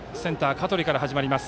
香取から始まります。